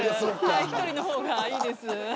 １人の方がいいです。